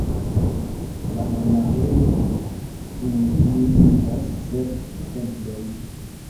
La monaĥejo inkluzivas sep templojn.